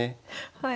はい。